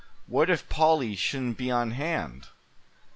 What if Polly shouldn't be on hand?